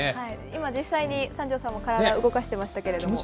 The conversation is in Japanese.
今、実際に三條さんも体動かしてましたけど。